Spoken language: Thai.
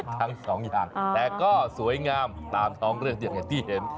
ทั้งสองอย่างแต่ก็สวยงามตามท้องเรื่องอย่างที่เห็น